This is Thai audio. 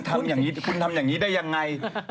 ขอโทษนะคุณทำอย่างนี้ได้อย่างไร